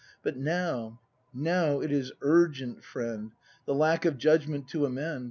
But now, now it is urgent, friend. The lack of judgment to amend.